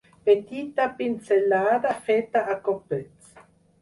Petita pinzellada feta a copets.